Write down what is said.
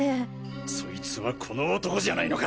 そいつはこの男じゃないのか！？